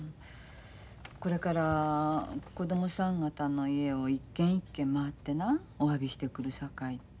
これから子供さん方の家を一軒一軒回ってなおわびしてくるさかいって。